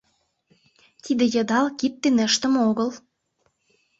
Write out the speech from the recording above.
Тиде йыдал кид дене ыштыме огыл.